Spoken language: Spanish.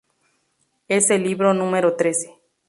Es el libro número trece.